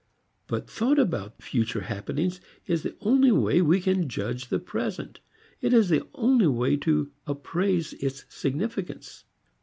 But thought about future happenings is the only way we can judge the present; it is the only way to appraise its significance.